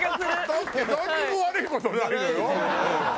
だってなんにも悪い事ないのよ。